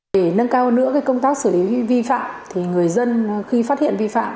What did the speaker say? để nâng cao nữa công tác xử lý vi phạm thì người dân khi phát hiện vi phạm